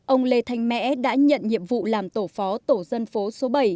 ông lê thanh mẽ đã nhận nhiệm vụ làm tổ phó tổ dân phố số bảy